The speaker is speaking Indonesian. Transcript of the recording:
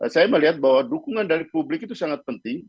saya melihat bahwa dukungan dari publik itu sangat penting